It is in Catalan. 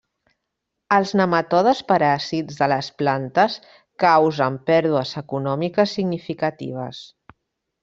Els nematodes paràsits de les plantes causen pèrdues econòmiques significatives.